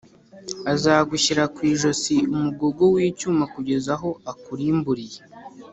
Azagushyira ku ijosi umugogo w’icyuma kugeza aho akurimburiye.